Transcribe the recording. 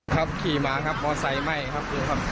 ครับขี่มาครับมอไซคไหม้ครับ